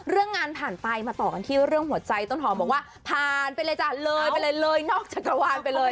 เรื่องงานผ่านไปมาต่อกันที่เรื่องหัวใจต้นหอมบอกว่าผ่านไปเลยจ้ะเลยไปเลยเลยนอกจักรวาลไปเลย